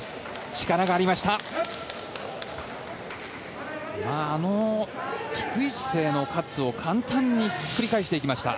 力がありました。